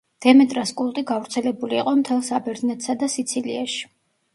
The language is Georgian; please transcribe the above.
დემეტრას კულტი გავრცელებული იყო მთელ საბერძნეთსა და სიცილიაში.